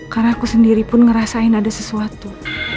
karena aku sendiri pun ngerasain ada sesuatu